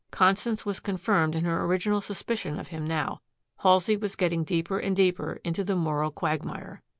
Constance was confirmed in her original suspicion of him now. Halsey was getting deeper and deeper into the moral quagmire.